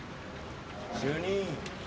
主任！